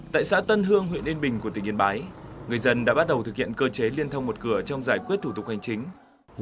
tại xã tân hương huyện yên bình của tỉnh yên bái người dân đã bắt đầu thực hiện cơ chế liên thông một cửa trong giải quyết thủ tục hành chính